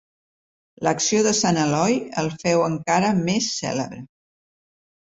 L'acció de sant Eloi el féu encara més cèlebre.